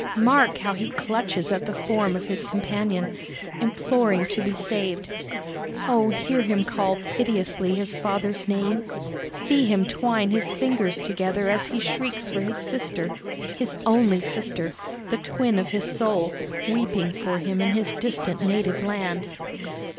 Mark how he clutches at the form of his companion, imploring to be saved! O, hear him call piteously his father's name! See him twine his fingers together as he shrieks for his sister his only sister, the twin of his soul, weeping for him in his distant native land!